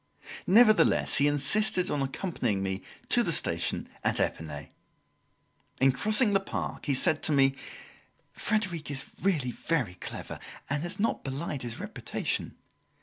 Nevertheless he insisted on accompanying me to the station at Epinay. In crossing the park, he said to me: "Frederic is really very clever and has not belied his reputation.